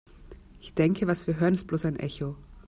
Ich denke, was wir hören, ist bloß ein Echo.